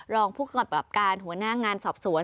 รองผู้กำกับการหัวหน้างานสอบสวน